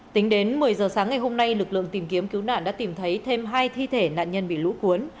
tính đến một mươi giờ sáng ngày hôm nay lực lượng tìm kiếm cứu nạn đã tìm thấy thêm hai thi thể nạn nhân bị lũ cuốn